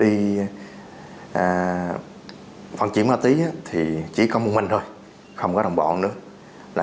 huy đi phận chuyển ma tí thì chỉ có một mình thôi không có đồng bọn nữa